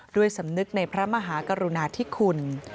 ด้วยสำนึกในพระมหากรุณาธิคุณ